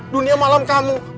dunia malam kamu